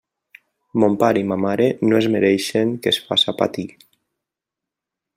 Mon pare i ma mare no es mereixen que els faça patir.